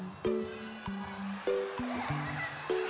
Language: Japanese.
ハハハハ！